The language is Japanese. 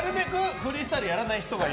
フリースタイルやらないほうがいい。